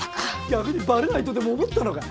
逆にバレないとでも思ったのか。